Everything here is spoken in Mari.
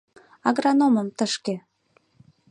— Агрономым тышке!